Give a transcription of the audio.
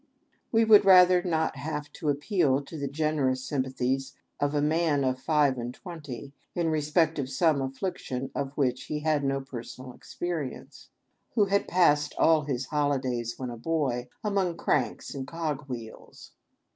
We would rather not have to appeal to the generous sym pathies of a man of five and twenty, in. respect of some affliction of which he had had no personal experience, who THE AMUSEMENTS OF THE PEOPLE. 169 had passed all Ms holidays, when a boy, among cranks and cog wheels.